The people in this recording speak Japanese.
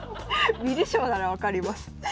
観る将なら分かります。